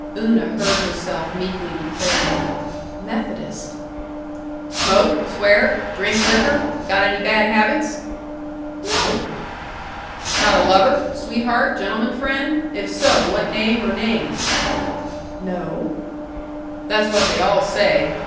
Una heard herself meekly declaring, "Methodist." "Smoke? Swear? Drink liquor? Got any bad habits?" "No!" "Got a lover, sweetheart, gentleman friend? If so, what name or names?" "No." "That's what they all say.